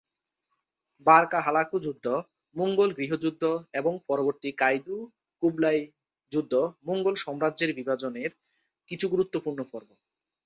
বারকা-হালাকু যুদ্ধ, মঙ্গোল গৃহযুদ্ধ এবং পরবর্তী কাইদু-কুবলাই যুদ্ধ মঙ্গোল সাম্রাজ্যের বিভাজনের কিছু গুরুত্বপূর্ণ পর্ব।